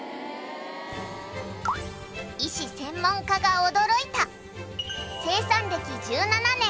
医師・専門家が驚いた生産歴１７年